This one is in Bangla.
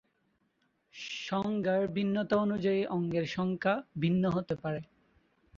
সংজ্ঞার ভিন্নতা অনুযায়ী অঙ্গের সংখ্যা ভিন্ন হতে পারে।